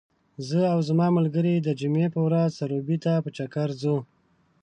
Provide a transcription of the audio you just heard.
زه او زما ملګري د جمعې په ورځ سروبي ته په چکر ځو .